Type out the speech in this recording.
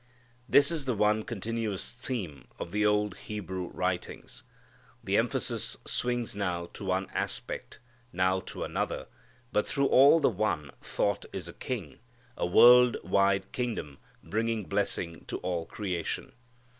This is the one continuous theme of the old Hebrew writings. The emphasis swings now to one aspect, now to another, but through all the one thought is a king, a world wide kingdom bringing blessing to all creation.